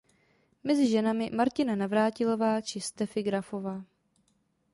Mezi ženami Martina Navrátilová či Steffi Grafová.